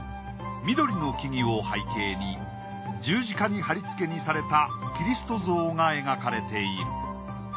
緑の木々を背景に十字架にはりつけにされたキリスト像が描かれている。